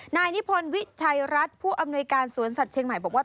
นายนิพนธ์วิชัยรัฐผู้อำนวยการสวนสัตว์เชียงใหม่บอกว่า